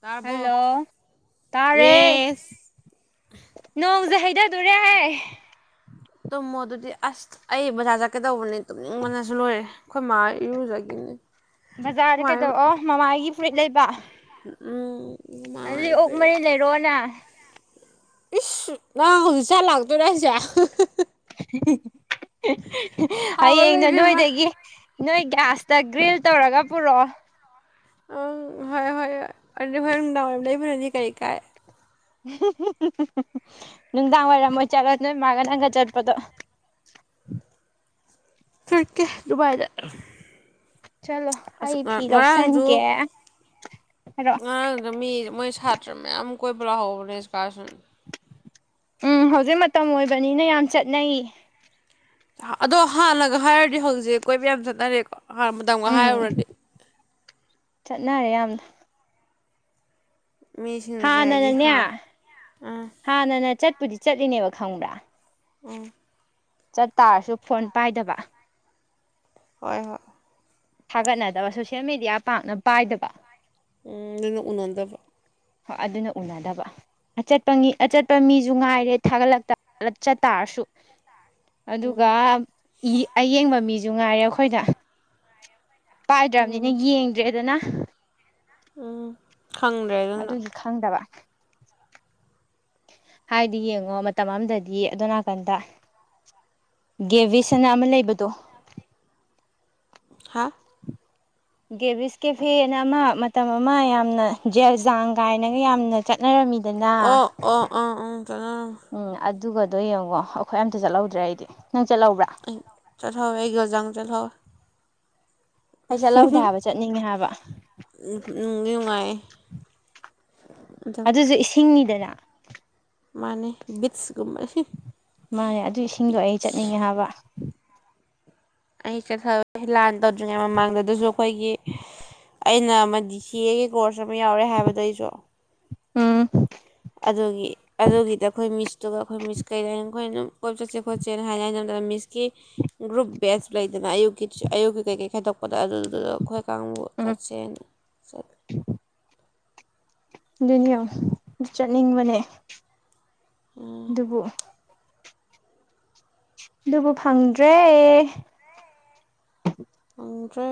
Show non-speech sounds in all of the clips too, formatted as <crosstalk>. ꯇꯥꯔꯕꯣ ꯍꯜꯂꯣ ꯇꯥꯔꯦ ꯌꯦꯁ ꯅꯣꯡꯖꯦ ꯍꯩꯗꯗꯣꯔꯦꯍꯦ ꯇꯨꯝꯃꯣ ꯑꯗꯨꯗꯤ ꯑꯁ ꯑꯩ ꯕꯖꯥꯔ ꯆꯠꯀꯦ ꯇꯧꯕꯅꯦ ꯇꯨꯝꯅꯤꯡꯕꯅꯁꯨ ꯂꯣꯏꯔꯦ ꯑꯩꯈꯣꯏ ꯃꯥ ꯏꯔꯨꯖꯒꯤꯝꯅꯤ ꯕꯖꯥꯔꯗ ꯀꯩꯗꯧ ꯑꯣ ꯃꯃꯥꯒꯤ ꯐꯨꯔꯤꯠ ꯂꯩꯕ ꯎꯝ ꯑꯗꯨꯗꯤ ꯑꯣꯛ ꯀꯃꯥꯏ ꯃꯔꯤꯟ ꯂꯩꯔꯛꯑꯣꯅ ꯏꯁ ꯅꯪ ꯍꯧꯖꯤꯛ ꯆꯥ ꯂꯥꯛꯇꯣꯏꯔ ꯍꯥꯏꯖꯦ ꯍꯥꯎꯔꯔꯣꯏ ꯍꯌꯦꯡꯅ ꯏꯕꯦꯝꯃ ꯅꯣꯏꯗꯒꯤ ꯅꯣꯏ ꯒ꯭ꯌꯥꯁꯇ ꯒ꯭ꯔꯤꯜ ꯇꯧꯔꯒ ꯄꯨꯔꯛꯑꯣ ꯑꯪ ꯍꯣꯏ ꯍꯣꯏ ꯍꯣꯏ ꯑꯗꯨꯗꯤ ꯍꯣꯔꯦꯟ ꯅꯨꯡꯗꯥꯡ ꯋꯥꯏꯔꯝ ꯂꯩꯕꯅꯗꯤ ꯀꯔꯤ ꯀꯥꯏ ꯅꯨꯡꯗꯥꯡ ꯋꯥꯏꯔꯝ ꯑꯣꯏ ꯆꯠꯂꯣ ꯅꯣꯏ ꯃꯥꯥꯒ ꯅꯪꯒ ꯆꯠꯄꯗꯣ ꯆꯠꯀꯦ ꯗꯨꯕꯥꯥꯏꯗ ꯆꯜꯂꯣ ꯑꯁꯨꯛ ꯉꯥꯛ ꯉꯔꯥꯡꯖꯨ ꯉꯔꯥꯡꯗ ꯃꯤ ꯃꯣꯏ ꯁꯥꯠ ꯇ꯭ꯔ ꯃꯌꯥꯝ ꯑꯝ ꯀꯣꯏꯕ ꯂꯥꯍꯧꯕꯅꯦ ꯏꯁꯀꯥꯔꯁꯟ ꯎꯝ ꯍꯧꯖꯤꯛ ꯃꯇꯝ ꯑꯣꯏꯕꯅꯤꯅ ꯌꯥꯝ ꯆꯠꯅꯩ ꯑꯗꯣ ꯍꯥꯟꯅꯒ ꯍꯥꯏꯔꯨꯔꯗꯤ ꯍꯧꯖꯤꯛ ꯀꯣꯏꯕ ꯌꯥꯝ ꯆꯠꯅꯔꯦꯀꯣ ꯍꯥꯟꯅ ꯃꯇꯝꯒ ꯎꯝ ꯍꯥꯏꯔꯨꯔꯗꯤ ꯆꯠꯅꯔꯦ ꯌꯥꯝꯅ ꯃꯤꯁꯤꯡꯁꯦ ꯍꯥꯏꯗꯤ ꯍꯥꯥ ꯎꯝ ꯍꯥꯟꯅꯅꯥ ꯆꯠꯄꯨꯗꯤ ꯆꯠꯂꯤꯅꯦꯕ ꯈꯪꯕ꯭ꯔꯥ ꯎꯝ ꯆꯠ ꯇꯥꯥꯔꯁꯨ ꯐꯣꯟ ꯄꯥꯏꯗꯕ ꯍꯣꯏ ꯍꯣꯏ ꯊꯥꯒꯠꯅꯗꯕ ꯁꯣꯁꯦꯜ ꯃꯦꯗꯤꯌꯥ ꯄꯥꯛꯅ ꯄꯥꯏꯗꯕ ꯎꯝ ꯑꯗꯨꯅ ꯎꯅꯗꯕ ꯍꯣꯏ ꯑꯗꯨꯅ ꯎꯅꯗꯕ ꯑꯆꯠꯄ ꯉꯤ ꯑꯆꯠꯄ ꯃꯤꯖꯨ ꯉꯥꯏꯔꯦ ꯊꯥꯒꯠꯂꯛꯇꯂꯞ ꯆꯠꯇꯥꯥꯔꯁꯨ ꯑꯗꯨꯒ ꯎꯝ ꯏ ꯑꯌꯦꯡꯕ ꯃꯤꯁꯨ ꯉꯥꯏꯔꯦ ꯑꯈꯣꯏꯗ ꯄꯥꯏꯗ꯭ꯔꯝꯅꯤꯅ ꯎꯝ ꯌꯦꯡꯗ꯭ꯔꯦꯗꯅ ꯎꯝ ꯈꯪꯗ꯭ꯔꯦ ꯑꯗꯨꯅ ꯑꯗꯨꯒꯤ ꯈꯪꯗꯕ ꯍꯥꯏꯗꯤ ꯌꯦꯡꯉꯣ ꯃꯇꯝ ꯑꯗꯗꯤ ꯑꯗꯣꯟ ꯅꯥꯀꯟꯗ ꯒꯦꯕꯤꯁ ꯑꯟꯅꯥ ꯑꯃ ꯂꯩꯕꯗꯣ ꯍꯥꯥ ꯒꯦꯕꯤꯁ ꯀꯦꯐꯦꯑꯅꯥ ꯑꯃ ꯃꯇꯝ ꯑꯃ ꯌꯥꯝꯅ ꯖꯦꯜꯖꯥꯡ ꯀꯥꯏꯅꯒ ꯌꯥꯝꯅ ꯆꯠꯅꯔꯝꯃꯤꯗꯅ ꯑꯣ ꯑꯣ ꯑꯥ ꯎꯝ ꯆꯠꯅꯔꯝꯃꯦ ꯎꯝ ꯑꯗꯨꯒꯗꯣ ꯌꯦꯡꯉꯣ ꯑꯈꯣꯏ ꯑꯝꯇ ꯆꯠꯂꯧꯗ꯭ꯔꯦ ꯑꯩꯗꯤ ꯅꯪ ꯆꯠꯂꯧꯕ꯭ꯔꯥ ꯑꯩ ꯆꯠꯍꯧꯋ‌ꯦ ꯑꯩ ꯒ‌ꯦꯜꯖꯥꯡ ꯆꯠꯍꯧ ꯑꯩ ꯆꯠꯂꯧꯗꯦ ꯍꯥꯏꯕ ꯆꯠꯅꯤꯡꯉꯦ ꯍꯥꯏꯕ ꯎꯝ ꯅꯨꯡꯗꯤ ꯅꯨꯡꯉꯥꯏ ꯑꯗꯨꯖꯨ ꯏꯁꯤꯡꯅꯤꯗꯅ ꯃꯥꯅꯦ ꯕꯤꯠꯁꯀꯨꯝꯕꯟ ꯃꯥꯅꯦ ꯑꯗꯨꯏ ꯏꯁꯤꯡꯗꯣ ꯑꯩ ꯆꯠꯅꯤꯡꯉꯦ ꯍꯥꯕ ꯑꯩ ꯆꯠꯍꯧꯢ ꯂꯥꯟ ꯇꯧꯗ꯭ꯔꯤꯉꯩ ꯃꯃꯥꯡꯗ ꯗꯨꯁꯨ ꯑꯩꯈꯣꯏꯒꯤ ꯑꯩꯅ ꯑꯃ ꯗꯤ ꯁꯤ ꯑꯦꯒꯤ ꯀꯣꯔꯁ ꯑꯃ ꯌꯥꯎꯔꯑꯦ ꯍꯥꯏꯕꯗ‌ꯣ ꯑꯩꯁꯨ ꯑꯥ ꯑꯗꯨꯒꯤ ꯑꯗꯨꯒꯤꯗ ꯑꯩꯈꯣꯏ ꯃꯤꯁꯇꯨꯒ ꯑꯩꯈꯣꯏ ꯃꯤꯁ ꯀꯩꯗ ꯑꯩꯈꯣꯏꯅ ꯑꯗꯨꯝ ꯀꯣꯏꯕ ꯆꯠꯁꯦ ꯈꯣꯠꯁ‌ꯦꯅ ꯍꯥꯏꯟ ꯍꯥꯏꯅꯕꯗ ꯃꯤꯁꯀꯤ ꯒ꯭ꯔꯨꯞ ꯕꯦꯁ ꯂꯩꯗꯅ ꯑꯌꯨꯛꯀꯤ ꯇꯨꯏꯁ ꯑꯌꯨꯛꯀꯤ ꯀꯩꯀꯩ ꯈꯥꯏꯗꯣꯛꯄꯗ ꯑꯗꯨꯗꯨ ꯑꯩꯈꯣꯏ ꯀꯥꯡꯕꯨ ꯎꯝ ꯆꯠꯁꯦꯅ ꯆꯠꯂ‌ꯦ ꯗꯨꯅꯤ ꯌ‌‌ꯦꯡ ꯆꯠꯅꯤꯡꯕꯅꯦ ꯑꯗꯨꯕꯨ ꯗꯨꯕꯨ ꯐꯪꯗ꯭ꯔꯦ ꯐꯪꯗ꯭ꯔꯦ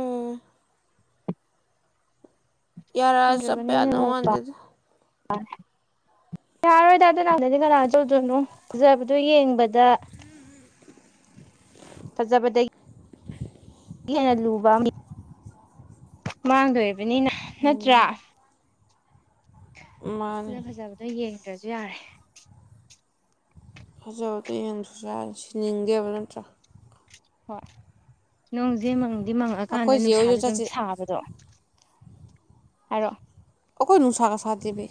ꯌꯥꯔꯥꯑꯁꯨ ꯆꯠꯄ ꯐꯪꯗ꯭ꯔꯕꯅꯤꯅ ꯌꯥꯗꯧ ꯃꯥꯟꯗꯦꯗ <unintelligible> ꯌꯥꯔꯣꯏꯗ ꯑꯗꯨ ꯇꯥꯟꯅꯗꯤ ꯀꯅꯥꯅ ꯆꯧꯎꯗꯣꯏꯅꯣ ꯐꯖꯕꯗꯣ ꯌꯦꯡꯕꯗ ꯐꯖꯕꯗꯩ ꯒꯤ ꯍꯦꯟꯅ ꯂꯨꯕ ꯑꯝ ꯃꯥꯡꯗꯣꯔꯤꯕꯅꯤꯅ ꯅꯠꯇ꯭ꯔꯥ ꯃꯥꯅꯦ ꯗꯨꯅ ꯐꯖꯕꯗꯣ ꯌꯦꯡꯗ꯭ꯔꯁꯨ ꯌꯥꯔꯦ ꯐꯖꯕꯗꯣ ꯌꯦꯡ ꯗ꯭ꯔꯥꯁꯨ ꯌꯥꯔꯦ ꯁꯤꯅꯤꯡꯗꯦꯕ ꯅꯠꯇ꯭ꯔꯥ ꯍꯣꯏ ꯅꯣꯡꯖ‌ꯦ ꯃꯪꯗꯤ ꯃꯪꯉꯛꯑꯀꯥꯟꯗ ꯑꯩꯈꯣꯏ ꯆꯦ ꯍꯣꯏꯁꯨ ꯅꯨꯡꯁꯥꯖꯨ ꯑꯗꯨꯝ ꯆꯠꯁꯦ ꯁꯥꯕꯗꯣ ꯍꯥꯏꯔꯑꯣ ꯑꯈꯣꯏ ꯅꯨꯡꯁꯥꯒ ꯁꯥꯗꯦꯃꯦ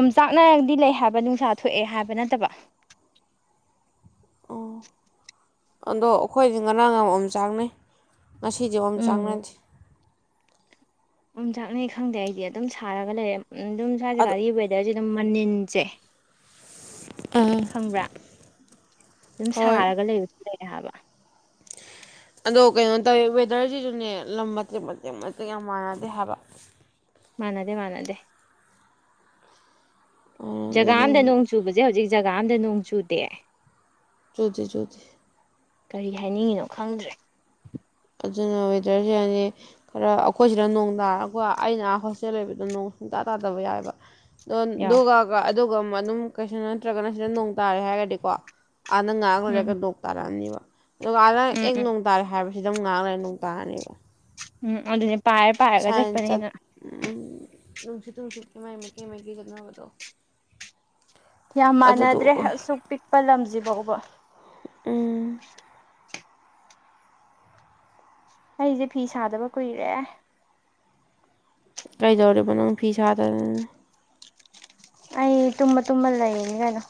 ꯑꯣꯝ ꯆꯥꯛꯅꯔꯒꯗꯤ ꯂꯩ ꯍꯥꯏꯕ ꯅꯨꯡꯁꯥ ꯊꯣꯛꯑꯦ ꯍꯥꯏꯕ ꯅꯠꯇꯕ ꯑꯗꯣ ꯑꯩꯈꯣꯏꯗꯤ ꯉꯔꯥꯡ ꯌꯥꯝ ꯑꯣꯝꯆꯥꯛꯅꯩ ꯉꯁꯤꯗꯤ ꯎꯝ ꯑꯣꯝꯆꯥꯛꯅꯗꯦ ꯎꯝꯆꯥꯛꯅꯩ ꯈꯪꯗꯦ ꯑꯩꯗꯤ ꯑꯗꯨꯝ ꯁꯥꯔꯒ ꯂꯩꯔꯦ ꯑꯗꯨꯝ ꯁ꯭ꯋꯥꯏ ꯑꯗꯣ ꯖꯥꯒꯥꯒꯤ ꯋꯦꯗꯔꯁꯦ ꯑꯗꯨꯝ ꯃꯅꯤꯟꯁꯦ ꯈꯪꯕ꯭ꯔꯥ ꯑꯗꯨꯝ ꯍꯣꯏ ꯁꯥꯔꯒ ꯂꯩꯕ <inaudible> ꯂꯩ ꯍꯥꯏꯕ ꯑꯗꯣ ꯀꯩꯅꯣ ꯇꯧꯋꯤ ꯋꯦꯗꯔꯁꯤꯁꯨꯅꯦ ꯂꯝ ꯃꯇꯦꯛ ꯃꯇꯦꯛ ꯃꯇꯦꯛ ꯌꯥꯝ ꯃꯥꯟꯅꯗꯦ ꯍꯥꯏꯕ ꯃꯥꯟꯅꯗꯦ ꯃꯥꯟꯅꯗꯦ ꯖꯒꯥ ꯃꯥꯟꯅꯗꯦ ꯑꯝꯗ ꯑꯗꯨꯒꯤ ꯅꯣꯡ ꯆꯨꯕꯁꯦ ꯍꯧꯖꯤꯛ ꯖꯒꯥ ꯑꯝꯗ ꯅꯣꯡ ꯆꯨꯗꯦ ꯆꯨꯗꯦ ꯆꯨꯗꯦ ꯀꯔꯤ ꯍꯥꯏꯅꯤꯡꯉꯤꯅꯣ ꯈꯪꯗ꯭ꯔꯦ ꯑꯗꯨꯅ ꯋꯦꯗꯔꯁꯨ ꯌꯥꯅꯤ ꯈꯔ ꯑꯩꯈꯣꯏꯁꯤꯗ ꯅꯣꯡ ꯇꯥꯔꯀ‌ꯣ ꯑꯩꯅꯥ ꯍꯣꯁꯇꯦꯜ ꯂꯩꯕꯗ‌ꯣ ꯅꯣꯡ ꯁꯨꯡꯇꯥ ꯇꯥꯗꯕ ꯌꯥꯎꯑꯕ ꯑꯗꯣ ꯌꯥꯎ ꯑꯗꯨꯒꯒ ꯑꯗꯨꯒ ꯑꯗꯨꯝ ꯀꯩꯁꯨ ꯅꯠꯇ꯭ꯔꯒꯅ ꯁꯤꯗ ꯅꯣꯡ ꯇꯥꯔꯦ ꯍꯥꯏꯔꯗꯤꯀꯣ ꯑꯥꯗ ꯉꯥꯍꯥꯛ ꯎꯝ ꯂꯩꯕ ꯅꯣꯛꯡ ꯇꯥꯔꯛꯑꯅꯤꯕ ꯑꯗꯨꯒ ꯑꯥꯗ ꯎꯝ ꯑꯦꯛ ꯎꯝ ꯅꯣꯡ ꯇꯥꯏ ꯍꯥꯏꯕ ꯁꯤꯗ ꯑꯃꯨꯛ ꯉꯥꯛ ꯂꯩꯔ ꯅꯣꯡ ꯇꯥꯔꯅꯤꯕ ꯎꯝ ꯑꯗꯨꯅꯦ ꯄꯥꯏꯔ ꯄꯥꯏꯔꯒ ꯁꯥꯢꯟ ꯆꯠ ꯆꯠꯄꯅꯤꯅ ꯎꯝ ꯅꯨꯡꯁꯤꯠꯇꯨ ꯅꯨꯡꯁꯤꯠꯀꯤ ꯃꯥꯏ ꯃꯀꯩ ꯃꯀꯩ ꯆꯠꯅꯕꯗꯣ ꯌꯥꯝ ꯑꯗꯨꯗꯣ ꯃꯥꯟꯅꯗ꯭ꯔꯦ ꯑꯣꯏ ꯑꯁꯨꯛ ꯄꯤꯛꯄ ꯂꯝꯖꯤꯕꯥꯎꯕ ꯎꯝ ꯑꯩꯁꯦ ꯐꯤ ꯁꯥꯗꯕ ꯀꯨꯏꯔꯦ ꯀꯩꯗꯧꯔꯤꯕ ꯅꯪ ꯐꯤ ꯁꯥꯗꯗꯅꯦ ꯑꯩ ꯇꯨꯝꯃ ꯇꯨꯝꯃ ꯂꯩꯌꯦꯅꯤ ꯑꯗꯨꯝ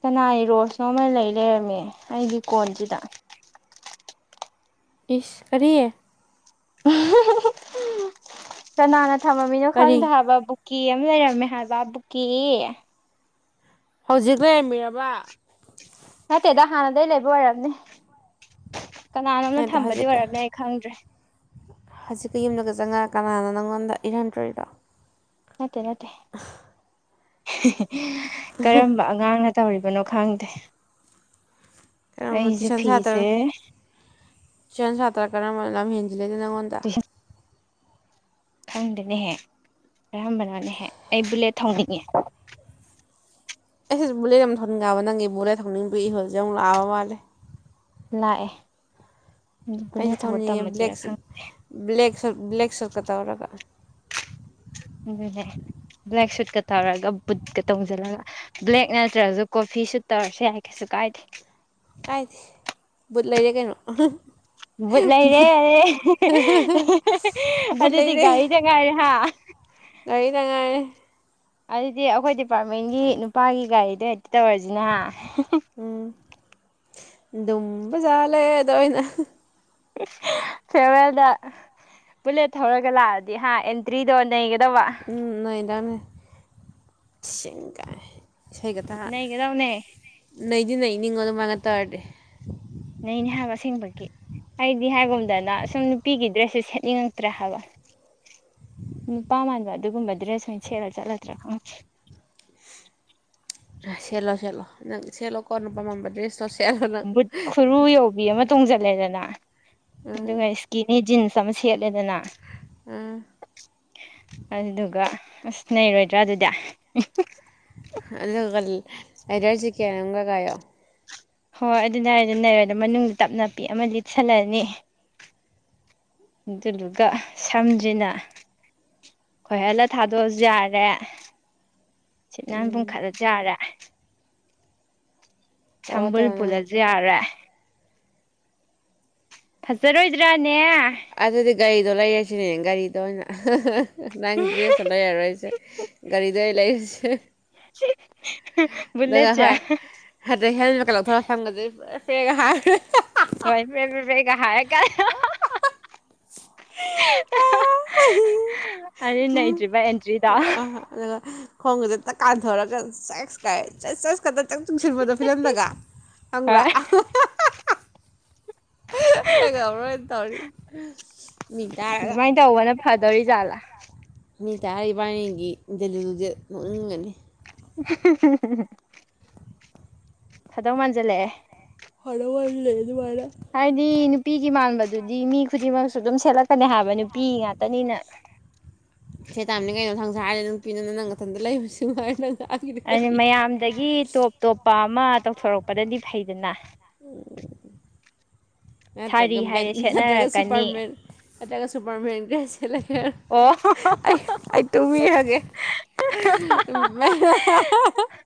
ꯁꯅꯥꯢ ꯔꯣꯁꯅꯣ ꯑꯃ ꯂꯩ ꯂꯩꯔꯝꯃꯦ ꯑꯩꯒꯤ ꯀꯣꯟꯁꯤꯗ ꯏꯁ ꯀꯔꯤ ꯀꯅꯥꯅ ꯊꯝꯃꯃꯤꯅꯣ ꯀꯔꯤ ꯈꯪꯗꯦ ꯍꯥꯏꯕ ꯀꯦ ꯑꯃ ꯂꯩꯔꯝꯃꯦ ꯍꯥꯏꯕ ꯕꯨꯀꯤ ꯍꯧꯖꯤꯛ ꯂꯩꯔꯝꯕꯤꯔꯕ ꯅꯠꯇꯦꯗ ꯍꯥꯟꯅꯗꯒꯤꯩ ꯂꯩꯕ ꯑꯣꯏꯔꯝꯅꯤ ꯀꯅꯥꯅꯣꯝꯅ ꯅꯠꯇꯦ ꯊꯝꯕꯗꯤ ꯍꯧꯖꯤꯛꯀ ꯑꯣꯏꯔꯝꯅꯦ ꯑꯩ ꯈꯪꯗ꯭ꯔꯦ ꯍꯧꯖꯤꯛꯀ ꯌꯨꯝꯗꯒ ꯆꯪꯉ ꯀꯅꯥꯅꯣ ꯅꯪꯉꯣꯟꯗ ꯏꯔꯝꯗꯣꯕ ꯅꯠꯇꯦ ꯅꯠꯇꯦ ꯀꯔꯝꯕ ꯑꯉꯥꯡꯅ ꯇꯧꯔꯤꯕꯅꯣ ꯈꯪꯗꯦ ꯀꯔꯝꯕ ꯑꯩꯁꯦ ꯇꯨꯏꯁꯟ ꯁꯥꯇ꯭ꯔ ꯐꯤꯁꯦ ꯇꯨꯏꯁꯟ ꯁꯥꯇ꯭ꯔ ꯀꯔꯝꯕꯅ ꯂꯝ ꯍꯦꯟꯖꯤꯜꯂꯦꯗ ꯅꯪꯉꯣꯟꯗ ꯍ ꯈꯪꯗꯦꯅꯦꯍꯦ ꯀꯌꯥꯝꯝꯕꯅꯣꯅꯦꯍꯦ ꯑꯩ ꯕꯨꯂꯦꯠ ꯊꯧꯅꯤꯡꯉꯦ ꯑꯩꯁ ꯕꯨꯂꯦ ꯑꯃ ꯊꯧꯅꯤꯡꯉꯦꯕ ꯅꯪꯒꯤ ꯕꯨꯂꯦꯠ ꯊꯧꯅꯤꯡꯕꯗꯨ ꯏꯍꯨꯜꯖꯦ ꯑꯃꯛ ꯂꯥꯛꯑ ꯃꯥꯂꯦ ꯂꯥꯛꯑꯦ ꯑꯗꯨ ꯑꯩꯁꯦ ꯕꯂꯦꯠ ꯊꯧꯕ ꯊꯧꯅꯤꯡꯉꯦ ꯕ꯭ꯂꯦꯛ ꯇꯝꯃꯁꯤꯔ ꯈꯪꯉ ꯕ꯭ꯂꯦꯛ ꯁꯨꯠ ꯕ꯭ꯂꯦꯛ ꯁꯨꯠ ꯀ ꯇꯧꯔꯒ ꯑꯗꯨꯅꯦ ꯕ꯭ꯂꯦꯛ ꯁꯨꯠꯀ ꯇꯧꯔꯒ ꯕꯨꯠꯀ ꯇꯧꯁꯤꯜꯂꯒ ꯕ꯭ꯂꯦꯛ ꯅꯠꯇ꯭ꯔꯁꯨ ꯀꯣꯐꯤꯁꯨ ꯇꯧꯔꯁꯨ ꯌꯥꯏ ꯀꯩꯁꯨ ꯀꯥꯏꯗꯦ ꯀꯥꯏꯗꯦ ꯕꯨꯠ ꯂꯩꯔꯦ ꯀꯩꯅꯣ ꯕꯨꯠ ꯂꯩꯔꯦ ꯕꯨꯠ ꯑꯗꯨꯗꯤ ꯒꯥꯔꯤꯗꯡ ꯉꯥꯏꯔꯦ ꯍꯥ ꯉꯒꯥꯔꯤꯗꯡ ꯉꯥꯏꯔꯦ ꯑꯗꯨꯗꯤ ꯑꯩꯈꯣꯏ ꯗꯤꯄꯥꯔꯠꯃꯦꯟꯒꯤ ꯅꯨꯄꯥꯒꯤ ꯒꯥꯔꯤꯗꯣ ꯍꯦꯛꯇ ꯇꯧꯔꯁꯤꯅ ꯍꯥ ꯎꯝ ꯗꯨꯝꯕꯖꯂꯦꯗ ꯑꯩꯅ ꯐꯦꯌꯔꯋꯦꯜꯗ ꯕꯨꯂꯦꯠ ꯊꯧꯔꯒ ꯂꯥꯛꯑꯗꯤ ꯍꯥ ꯑꯦꯟꯇ꯭ꯔꯤꯗꯣ ꯅꯩꯒꯗꯕ ꯎꯝ ꯅꯩꯗꯥꯅ ꯁꯒꯥꯏ ꯏꯁꯩ ꯈꯛꯇ ꯅꯩꯒꯗꯕꯅꯦ ꯅꯩꯗꯤ ꯅꯩꯅꯤꯡꯉꯣ ꯑꯗꯨꯃꯥꯏꯅ ꯇꯧꯔꯗꯤ ꯅꯩꯅꯤꯍꯥꯏꯕ ꯑꯁꯦꯡꯕꯒꯤ ꯑꯩꯗꯤ ꯍꯥꯏꯒꯨꯝꯗꯅ ꯑꯁꯨꯝ ꯅꯨꯄꯤꯒꯤ ꯗ꯭ꯔꯦꯁꯦ ꯁꯦꯠꯅꯤꯡꯉꯛꯇ꯭ꯔꯦ ꯍꯥꯏꯕ ꯅꯨꯄꯥ ꯃꯥꯟꯕ ꯑꯗꯨꯒꯨꯝꯕ ꯗ꯭ꯔꯦꯁ ꯑꯣꯏꯅ ꯁꯦꯠꯂ ꯆꯠꯂꯗ꯭ꯔꯥ ꯈꯪꯗꯦ ꯁꯦꯠꯂꯣ ꯁꯦꯠꯂꯣ ꯅꯪ ꯁꯦꯜꯂ ꯀꯣ ꯅꯨ ꯄꯄꯥꯃꯝꯕ ꯗ꯭ꯔꯦꯇꯣ ꯁ ꯕꯨꯠ ꯈꯨꯔꯨ ꯌꯧꯕꯤ ꯑꯃ ꯇꯣꯡꯁꯤꯜꯂꯦꯗꯅ ꯎꯝ ꯑꯗꯨꯒ ꯏꯁꯀꯤꯅꯤ ꯖꯤꯟꯁ ꯆꯃ ꯁꯦꯠꯂꯦꯗꯅ ꯎꯝ ꯑꯗꯨꯗꯨꯒ ꯑꯁ ꯅꯔꯣꯏꯗ꯭ꯔꯥ ꯑꯗꯨꯗꯤ ꯑꯗꯨꯒ ꯂꯦꯗꯔ ꯖꯦꯀꯦꯠ ꯑꯝꯒ ꯀꯌꯣ ꯍꯣꯏ ꯑꯗꯨ ꯔꯦ ꯑꯗꯨ ꯔꯦ ꯑꯗꯨꯣ ꯃꯅꯨꯡꯗ ꯇꯞ ꯅꯥꯄꯤ ꯑꯃ ꯂꯤꯠꯁꯜꯂꯅꯤ ꯑꯗꯨꯗꯨꯒ ꯁꯝꯖꯤꯅ ꯈꯣꯏꯍꯜꯂ ꯊꯥꯗꯣꯛꯑꯁꯨ ꯌꯥꯔꯦ ꯁꯤꯠꯅꯥꯟ ꯄꯨꯨꯝꯈꯠꯂꯁꯨ ꯌꯥꯔꯦ ꯇꯧꯔꯣ ꯁꯝꯕꯨꯜ ꯇꯧꯔꯣ ꯅꯪ ꯄꯨꯜꯂꯁꯨ ꯌꯥꯔꯦ ꯐꯖꯔꯣꯏꯗ꯭ꯔꯥꯅꯦ ꯑꯗꯨꯗꯤ ꯒꯥꯔꯤꯗꯣ ꯂꯩꯔꯁꯤꯅꯦ ꯒꯥꯔꯤꯗꯣ ꯑꯣꯏꯅ ꯅꯪ ꯗ꯭ꯔꯦꯁ ꯇꯣ ꯂꯩꯔꯔꯣꯏꯖꯦ ꯒꯥꯔꯤꯗꯣ ꯑꯩ ꯂꯩꯔꯁꯦ ꯕꯨꯂꯦꯠ ꯆꯦ ꯍꯥꯗꯩ ꯍꯦꯜꯃꯦꯠꯀ ꯂꯧꯊꯔꯒ ꯁꯝꯒꯖꯤ ꯐꯔꯦ ꯐꯔꯦꯒꯥ ꯍꯥꯏ <unintelligible> ꯑꯗꯨ ꯅꯩꯗ꯭ꯔꯤꯕ ꯑꯦꯟꯇ꯭ꯔꯤꯗꯣ <unintelligible> ꯑꯥ ꯑꯗꯨꯒ ꯈꯣꯡꯒꯁꯦ ꯇꯛ ꯀꯥꯟꯊꯧꯔꯒ ꯆꯁ ꯀꯥꯏ <unintelligible> <unintelligible> ꯆꯨꯡꯁꯤꯟꯕꯗꯣ ꯐꯤꯂꯝꯗꯒ ꯈꯪꯕ꯭ꯔꯥ ꯍꯣꯏ ꯑꯩ ꯉꯥꯃꯔꯣꯏꯗꯥ ꯇꯧꯔꯤ ꯃꯤ ꯇꯥꯔꯒ ꯑꯗꯨꯃꯥꯏꯅ ꯇꯧꯕꯅ ꯐꯗꯧꯔꯤꯖꯥꯠꯂꯥ ꯃꯤ ꯇꯥ ꯏꯕꯥꯅꯤꯒꯤ ꯏꯟꯗꯂꯨꯂꯨꯖꯦ ꯅꯣꯛꯅꯤꯡꯉꯥꯅꯤ <unintelligible> ꯐꯥꯗꯧ ꯃꯥꯟꯖꯤꯜꯂꯛꯑꯦ <unintelligible> ꯍꯥꯏꯗꯤ ꯅꯨꯄꯤꯒꯤ ꯃꯥꯟꯕꯗꯨꯗꯤ ꯃꯤ ꯈꯨꯗꯤꯡꯃꯛꯁꯨ ꯑꯗꯨꯝ ꯁꯦꯠꯂꯛꯀꯅꯤ ꯍꯥꯏꯕ ꯅꯨꯄꯤ ꯉꯥꯛꯇꯅꯤꯅ ꯁꯦ ꯇꯥꯝꯅꯤ ꯀꯩꯅꯣ ꯁꯪꯁꯔꯁꯤ <unintelligible> ꯅꯪ ꯅꯊꯟꯇ ꯂꯩꯕꯁꯤ ꯃꯉꯥꯏꯔꯦ ꯅꯪ <unintelligible> ꯃꯌꯥꯝꯗꯒꯤ ꯇꯣꯞ ꯇꯣꯞꯄ ꯑꯃ ꯇꯧꯊꯣꯔꯛꯄꯗꯗꯤ ꯐꯩꯗꯅ <inaudible> ꯅꯠꯇ꯭ꯔꯒ ꯁꯥꯔꯤ ꯕꯦꯟ ꯍꯥꯏꯔꯦ ꯅꯠꯇ꯭ꯔꯒ ꯁꯦꯠꯅꯔꯛꯀꯅꯤ ꯁꯨꯄꯔꯃꯦꯟ ꯅꯠꯇ꯭ꯔꯒ ꯁꯨꯄꯔꯃꯦꯟ ꯗꯔꯦꯁ ꯁꯦꯠꯂꯒ ꯑꯣ ꯑꯩ ꯑꯩ ꯇꯨꯕꯤꯔꯒꯦ <unintelligible>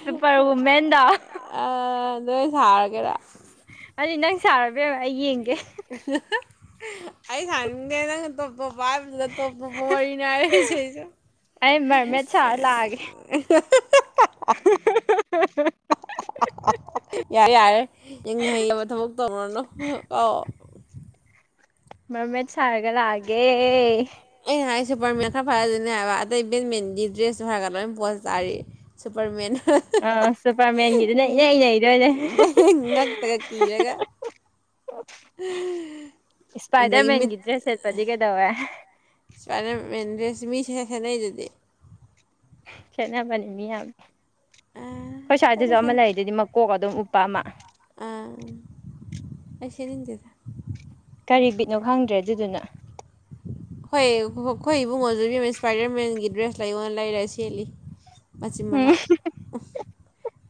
ꯁꯨꯄꯔ ꯋꯨꯃꯦꯟꯗꯣ ꯑꯗ ꯁꯥꯔꯒꯦꯔ <unintelligible> ꯅꯪ ꯁꯔꯣ ꯏꯕꯦꯝꯃꯥ ꯑꯩ ꯌꯦꯡꯒꯦ <unintelligible> ꯑꯩ ꯁꯥꯅꯤꯡꯗꯦ ꯅꯪꯅ ꯇꯣꯞ ꯇꯣꯞꯄ ꯍꯥꯏꯕꯗꯨꯗ ꯇꯣꯞ ꯇꯣꯞꯄ ꯋꯥꯔꯤ ꯅꯦ ꯍꯥꯏꯔꯛꯏꯁꯦ ꯑꯩꯁꯨ ꯑꯩ ꯃꯔꯃꯦꯠ ꯁꯥꯔ ꯂꯥꯛꯑꯒꯦ <unintelligible> <unintelligible> ꯌꯥꯔꯦ ꯌꯥꯔꯦ ꯌꯦꯡꯍꯩꯗꯕ ꯊꯕꯛ ꯇꯧꯔꯅꯨ ꯀꯥꯎ ꯃꯔꯃꯦꯠ ꯁꯥꯔꯒ ꯂꯛꯑꯒꯦ ꯑꯩꯅ ꯍꯥꯏ ꯁꯨꯄꯔ ꯃꯦꯟ ꯈꯥ ꯐꯗꯨꯅꯤ ꯍꯥꯏꯕ ꯑꯇꯩ ꯕꯦꯠ ꯃꯦꯟꯗꯤ ꯗ꯭ꯔꯦꯁꯁꯨ ꯍꯥꯏꯔꯒ ꯄꯣ ꯇꯥꯔꯦ ꯁꯨꯄꯔꯃꯦꯟ ꯑꯥ ꯁꯨꯄꯔꯃꯦꯟꯒꯤꯗꯨꯅ ꯏꯅꯩ ꯏꯅꯩꯗꯣꯏꯅꯦ ꯉꯛꯇꯒ ꯀꯤꯔꯒ ꯑꯗꯒꯤ ꯃꯤꯠ ꯏꯁꯄꯥꯏꯗꯔꯃꯦꯟꯒꯤ ꯗ꯭ꯔꯦꯁ ꯁꯦꯠꯄꯗꯤ ꯀꯩꯗꯧꯋꯦ ꯏꯁꯄꯥꯏꯗꯔ ꯃꯦꯟꯗ꯭ꯔꯦꯁ ꯃꯤꯁꯦ ꯁꯦꯠꯅꯩ ꯗꯨꯗꯤ ꯈꯦꯠꯅꯕꯅꯤ ꯃꯤ ꯌꯥꯝ ꯑꯥ ꯑꯈꯣꯏ ꯇꯜꯂꯦ ꯁ꯭ꯋꯥꯏꯗꯁꯨ ꯑꯃ ꯁꯦꯠꯅꯤꯡ ꯂꯩ ꯗꯨꯗꯤ ꯀꯣꯛ ꯑꯗꯨꯝ ꯎꯞꯄ ꯑꯃ ꯑꯥ ꯑꯩ ꯁꯦꯠꯅꯤꯡꯇꯦꯗ ꯀꯔꯤ ꯕꯤꯠꯅꯣ ꯈꯪꯗ꯭ꯔꯦ ꯑꯗꯨꯗꯨꯅ ꯍꯣꯏ ꯑꯩꯈꯣꯏ ꯏꯕꯨꯡꯉꯣꯖꯨ ꯏꯕꯦꯃ ꯏꯟꯄꯥꯏꯗꯔ ꯃꯦꯟꯒꯤ ꯗ꯭ꯔꯦꯁ ꯂꯩꯑꯣꯅꯥ ꯂꯩꯔ ꯁꯦꯠꯂꯤ ꯃꯆꯤꯟ ꯎꯝ ꯃꯅꯥꯎ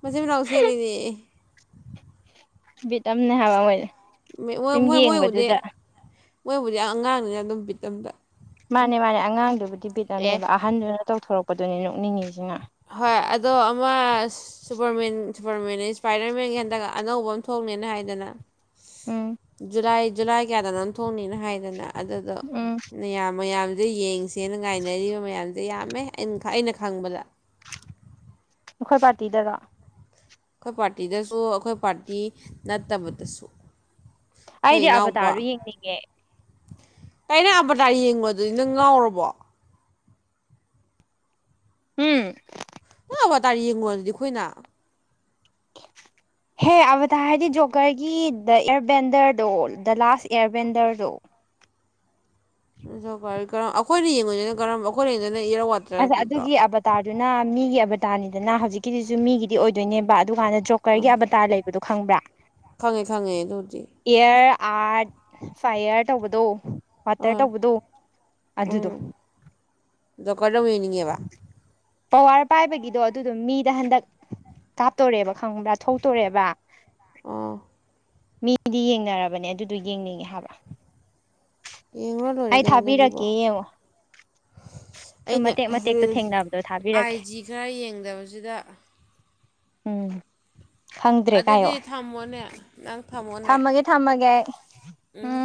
ꯃꯆꯤꯟ ꯃꯅꯥꯎ ꯆꯦꯜꯂꯤꯅꯦ ꯕꯤꯠ ꯑꯝꯅꯦ ꯍꯥꯏꯕ ꯃꯣꯏꯅꯦ ꯃꯣꯏ ꯁꯨꯝ ꯃꯣꯏ ꯃꯣꯏꯕꯨꯗꯤ ꯌꯦꯡꯕꯗꯨꯗ ꯃꯣꯏꯕꯨꯗꯤ ꯑꯥ ꯑꯉꯥꯡꯅꯤꯅ ꯑꯗꯨꯝ ꯕꯤꯠꯑꯝꯗ ꯃꯥꯅꯦ ꯃꯥꯅꯦ ꯑꯉꯥꯡꯗꯨꯕꯨꯗꯤ ꯕꯤꯠ ꯑꯃꯅꯦꯕ ꯑꯍꯟꯗꯨꯅ ꯇꯧꯊꯣꯔꯛꯄꯗꯨꯅꯦ ꯅꯣꯛꯅꯤꯡꯉꯤꯁꯤꯅ ꯍꯣꯏ ꯑꯗꯣ ꯑꯃ ꯁꯨꯄꯔꯃꯦꯟ ꯁꯨꯄꯔꯃꯅꯦꯟ ꯏꯁꯄꯥꯏꯗꯔꯃꯦꯟꯒꯤ ꯍꯟꯗꯛ ꯑꯅꯧꯕ ꯑꯃ ꯊꯣꯛꯅꯦꯅ ꯍꯥꯏꯗꯅ ꯎꯝ ꯖꯨꯂꯥꯏ ꯖꯨꯂꯥꯏ ꯀꯌꯥꯗ ꯅꯪ ꯊꯣꯡꯅꯤꯅ ꯍꯥꯏꯗꯅ ꯑꯗꯨꯗꯣ ꯎꯝ ꯃꯌꯥꯝ ꯃꯌꯥꯝꯁꯦ ꯌꯦꯡꯁꯦꯅ ꯉꯥꯏꯅꯔꯤꯕ ꯃꯌꯥꯝꯁꯦ ꯌꯥꯝꯃꯦ ꯑꯩ ꯑꯩꯅ ꯈꯪꯕꯗ꯫ ꯑꯩꯈꯣꯏ ꯄꯥꯔꯇꯤꯗꯔꯣ꯫ ꯑꯩꯈꯣꯏ ꯄꯥꯔꯇꯤꯗꯁꯨ ꯑꯩꯈꯣꯏ ꯄꯥꯔꯇꯤ ꯅꯠꯇꯕꯗꯁꯨ꯫ ꯑꯩꯈꯣꯏ ꯑꯩꯗꯤ ꯏꯅꯥꯎꯄꯥ꯫ ꯑꯕꯇꯥꯔꯗꯣ ꯌꯦꯡꯅꯤꯡꯉꯦ ꯀꯩꯅꯣ ꯑꯚꯥꯇꯥꯔ ꯌꯦꯡꯉꯨꯔꯗꯨꯗꯤ ꯅꯪ ꯉꯥꯎꯔꯕꯣ꯫ ꯍꯨꯝ꯫ ꯑꯚꯥꯇꯥꯔ ꯌꯦꯡꯉꯨꯔꯗꯤ ꯑꯩꯈꯣꯏꯅ꯫ <inaudible> ꯍꯦ ꯑꯚꯥꯇꯥꯔ ꯍꯥꯏꯗꯤ ꯖꯣꯀꯔꯒꯤ ꯗ ꯏꯌꯔ ꯕꯦꯟꯗꯔꯗꯣ ꯗ ꯂꯥꯁ ꯏꯌꯥꯔ ꯕꯦꯟꯗꯔꯗꯣ꯫ ꯖꯣꯀꯔ ꯀꯔꯝ ꯑꯩꯈꯣꯏꯅ ꯌꯦꯡꯉꯨꯏꯗꯨꯅ ꯀꯔꯝꯕ ꯑꯩꯈꯣꯏꯅ ꯌꯦꯡꯉꯤꯗꯨꯅ ꯏꯌꯔ ꯋꯥ ꯑꯁ ꯑꯗꯨꯒꯤ ꯑꯚꯇꯥꯔꯗꯨꯅ ꯃꯤꯒꯤ ꯑꯚꯇꯥꯔꯅꯤꯗꯅ ꯍꯧꯖꯤꯛꯀꯤꯗꯨꯁꯨ ꯃꯤꯒꯤ ꯗꯤ ꯑꯣꯏꯗꯣꯏꯅꯦꯕ ꯑꯗꯨꯀꯥꯟꯗ ꯖꯣꯀ꯭ꯔꯒꯤ ꯑꯥ ꯑꯚꯇꯥꯔ ꯂꯩꯕꯗꯣ ꯈꯪꯕ꯭ꯔꯥ꯫ ꯈꯪꯉꯦ ꯈꯪꯉꯦ ꯑꯗꯨꯗꯤ꯫ ꯏꯌꯥꯔ ꯑꯥꯔꯠ ꯐꯥꯏꯌꯔ ꯇꯧꯕꯗꯣ꯫ ꯋꯥꯇꯔ ꯑꯥ ꯇꯧꯕꯗꯣ ꯑꯗꯨꯗꯣ꯫ ꯗꯣꯀꯔꯗ ꯑꯗꯨꯛ ꯌꯦꯡꯅꯤꯡꯉꯦꯕ꯫ ꯄꯥꯋꯥꯔ ꯄꯥꯏꯕꯒꯤꯗꯣ ꯑꯗꯨꯗꯣ ꯃꯤꯗ ꯍꯟꯗꯛ ꯀꯥꯞꯇꯣꯔꯦꯕ ꯈꯪꯕ꯭ꯔꯥ ꯊꯣꯛꯇꯣꯔꯦꯕ꯫ ꯑꯣ꯫ ꯃꯤꯗꯤ ꯌꯦꯡꯅꯔꯕꯅꯦ ꯑꯗꯨꯗꯣ ꯌꯦꯡꯅꯤꯡꯉꯦ ꯍꯥꯏꯕ꯫ ꯌꯦꯡꯉꯨꯔ ꯂꯣꯏꯔꯦ ꯑꯩ ꯀꯩꯅꯣ ꯑꯗꯨꯒꯤꯕꯣ꯫ ꯊꯥꯕꯤꯔꯛꯀꯦ ꯌꯦꯡꯉꯣ ꯁꯨꯝ ꯑꯩꯅ ꯃꯇꯦꯛ ꯃꯇꯦꯛꯇꯣ ꯔꯤꯜꯖ ꯊꯦꯡꯅꯕꯗꯣ ꯑꯥꯏ ꯊꯥꯕꯤꯔꯛꯀꯦ ꯖꯤ ꯈꯔ ꯌꯦꯡꯗꯕꯁꯤꯗ ꯎꯝ꯫ ꯈꯪꯗ꯭ꯔꯦ ꯀꯥꯏꯌꯣ ꯑꯗꯨꯗꯤ ꯊꯝꯃꯣꯅꯦ ꯅꯪ ꯊꯝꯃꯣꯅꯦ꯫ ꯊꯝꯃꯒꯦ ꯊꯝꯃꯒꯦ ꯑꯩ꯫ ꯎꯝ꯫